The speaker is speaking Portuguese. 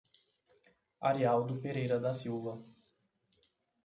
Arialdo Pereira da Silva